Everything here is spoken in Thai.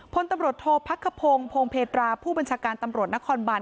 พลตำลดโทษภักครพงศ์พงภเพดราผู้บัญชาการตำลดนครบัน